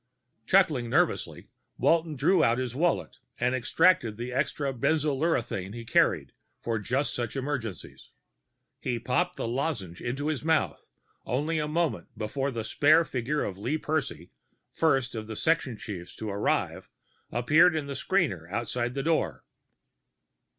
Chuckling nervously, Walton drew out his wallet and extracted the extra benzolurethrin he carried for just such emergencies. He popped the lozenge into his mouth only a moment before the spare figure of Lee Percy, first of the section chiefs to arrive, appeared in the screener outside the door.